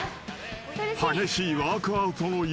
［激しいワークアウトの余韻］